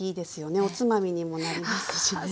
おつまみにもなりますしね。